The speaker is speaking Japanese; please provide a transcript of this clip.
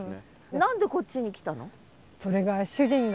何でこっちに来たの？